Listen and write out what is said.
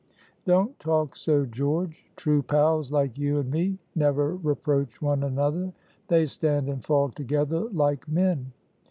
"Don't talk so, George. True pals like you and me never reproach one another. They stand and fall together like men.